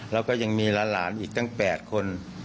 แล้วก็ยังมีหลานอีกตั้ง๘คน